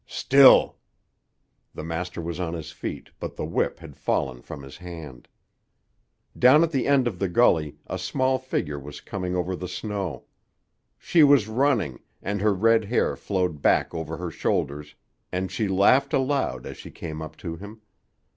"Still!" The master was on his feet, but the whip had fallen from his hand. Down at the end of the gully a small figure was coming over the snow. She was running, and her red hair flowed back over her shoulders, and she laughed aloud as she came up to him.